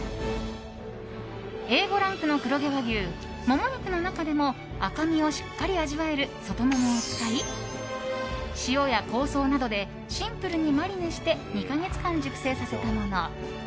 Ａ５ランクの黒毛和牛モモ肉の中でも赤身をしっかり味わえる外モモを使い塩や香草などでシンプルにマリネして２か月間熟成させたもの。